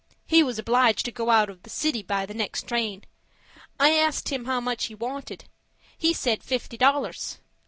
He was obliged to go out of the city by the next train. I asked him how much he wanted. He said fifty dollars.